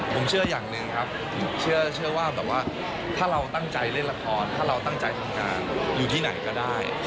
ผมเชื่ออย่างหนึ่งครับเชื่อว่าแบบว่าถ้าเราตั้งใจเล่นละครถ้าเราตั้งใจทำงานอยู่ที่ไหนก็ได้